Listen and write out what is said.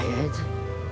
kamu mana idan